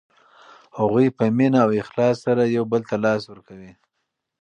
هغوی په مینه او اخلاص سره یو بل ته لاس ورکوي.